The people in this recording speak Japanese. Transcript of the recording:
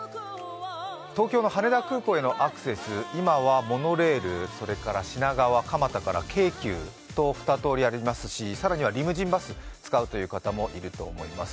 東京の羽田空港へのアクセス、今はモノレール、それから品川、蒲田から京急と二通りありますし、更にはリムジンバスを使うという方もいると思います。